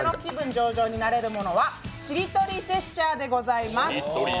上々になれるものはしりとりジェスチャーでございます。